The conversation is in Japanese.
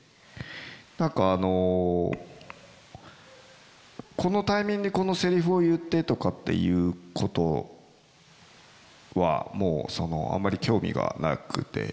何かあのこのタイミングにこのせりふを言ってとかっていうことはもうあんまり興味がなくて。